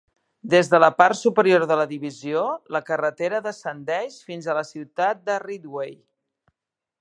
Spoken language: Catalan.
Des de la part superior de la divisió, la carretera descendeix fins a la ciutat de Ridgway.